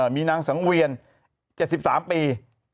มีนางสังเวียน๗๓ปี